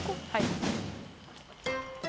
はい。